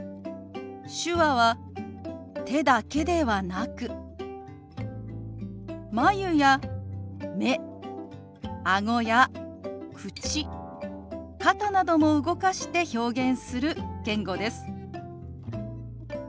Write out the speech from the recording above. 手話は手だけではなく眉や目あごや口肩なども動かして表現する言語です。